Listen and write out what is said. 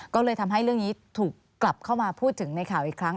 ก็เลยทำให้เรื่องนี้ถูกกลับเข้ามาพูดถึงในข่าวอีกครั้ง